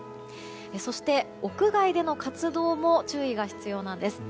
そして屋外での活動も注意が必要なんです。